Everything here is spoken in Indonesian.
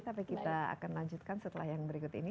tapi kita akan lanjutkan setelah yang berikut ini